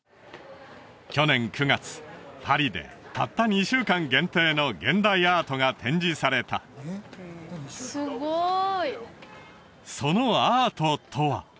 去年９月パリでたった２週間限定の現代アートが展示されたすごいそのアートとは？